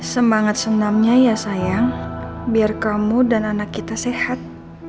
semangat senamnya ya sayang biar kamu dan anak kita sehat